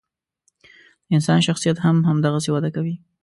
د انسان شخصیت هم همدغسې وده کوي.